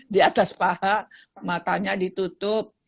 di atas paha matanya ditutup